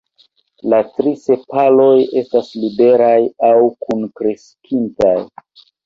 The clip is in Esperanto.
La tri sepaloj estas liberaj aŭ kunkreskintaj.